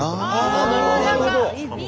ああなるほどなるほど。